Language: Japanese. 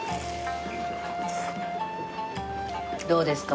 どうですか？